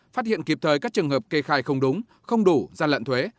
phát hiện kịp thời các trường hợp kê khai không đúng không đủ gian lận thuế